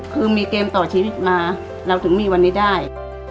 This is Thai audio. คือมีเกมต่อชีวิตมาเราถึงมีวันนี้ได้